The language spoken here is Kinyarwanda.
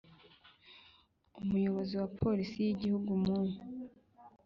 Umuyobozi wa Polisi y Igihugu mu